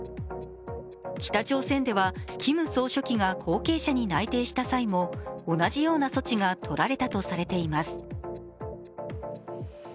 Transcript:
北朝鮮ではキム総書記が後継者に内定した際にも同じような措置がとられたとされています。